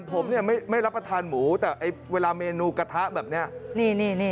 ผมเนี่ยไม่รับประทานหมูแต่เวลาเมนูกระทะแบบนี้